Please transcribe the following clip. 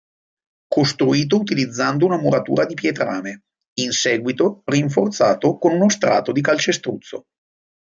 Costruito utilizzando una muratura di pietrame, in seguito rinforzato con uno strato di calcestruzzo.